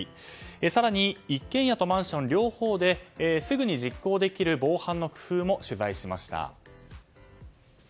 更に、一軒家とマンション両方ですぐに実行できる防犯の工夫も取材しました。